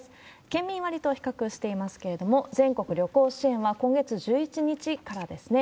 県民割と比較していますけれども、全国旅行支援は、今月１１日からですね。